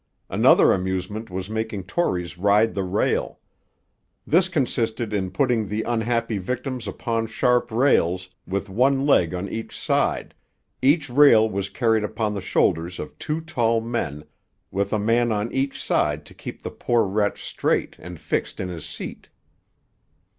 Another amusement was making Tories ride the rail. This consisted in putting the 'unhappy victims upon sharp rails with one leg on each side; each rail was carried upon the shoulders of two tall men, with a man on each side to keep the poor wretch straight and fixed in his seat.'